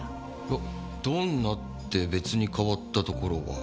いやどんなって別に変わったところは。